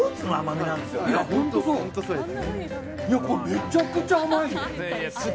めちゃくちゃ甘いです。